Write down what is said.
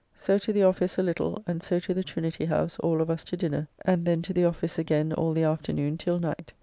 So to the office a little, and so to the Trinity house all of us to dinner; and then to the office again all the afternoon till night.